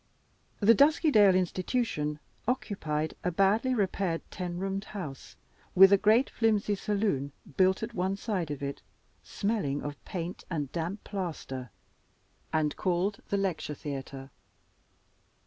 The Duskydale Institution occupied a badly repaired ten roomed house, with a great flimsy saloon built at one side of it, smelling of paint and damp plaster, and called the Lecture Theater.